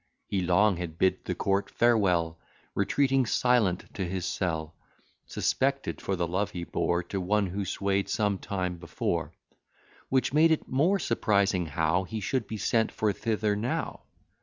He long had bid the court farewell, Retreating silent to his cell; Suspected for the love he bore To one who sway'd some time before; Which made it more surprising how He should be sent for thither now.